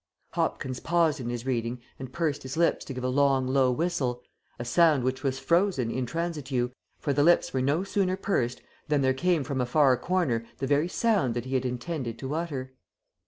Hopkins paused in his reading and pursed his lips to give a long, low whistle, a sound which was frozen in transitu, for the lips were no sooner pursed than there came from a far corner the very sound that he had intended to utter.